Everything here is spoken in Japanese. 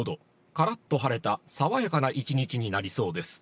カラッと晴れた爽やかな一日になりそうです。